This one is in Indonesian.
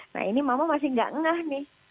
nah ini mama masih nggak ngeh nih